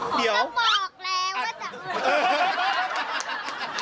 เดี๋ยวอ๋อแล้วบอกแล้วว่าจะ